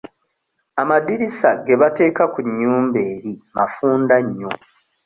Amaddirisa ge bateeka ku nnyumba eri mafunda nnyo.